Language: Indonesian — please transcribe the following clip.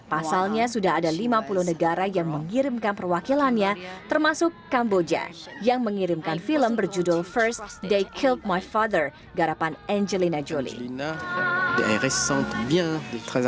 pasalnya sudah ada lima puluh negara yang mengirimkan perwakilannya termasuk kamboja yang mengirimkan film berjudul first day kilk my father garapan angelina jolie